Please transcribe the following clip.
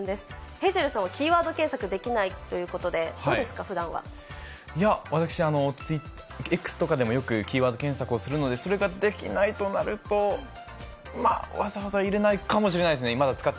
ヘイゼルさんはキーワード検索ということで、どうですか、ふだんいや、私、Ｘとかでもよくキーワード検索をするので、それができないとなると、まあ、わざわざ入れないかもしれないですね。